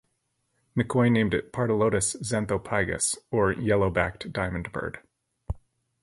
McCoy named it "Pardalotus xanthopygus", or yellow-backed diamondbird.